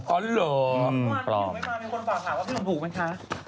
ประมาณอยู่ไม่มามีคนฝากหาว่าพี่สมถูกมั้ยคะ